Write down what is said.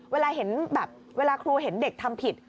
เวลาเห็นแบบเวลาครูเห็นเด็กทำผิด